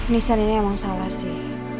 nisan ini emang salah sih